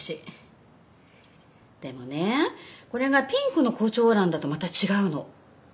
でもねこれがピンクの胡蝶蘭だとまた違うの。